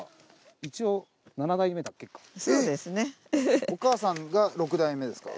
一応７代目だっけか？